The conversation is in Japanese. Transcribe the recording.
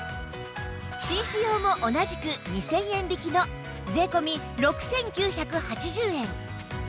紳士用も同じく２０００円引きの税込６９８０円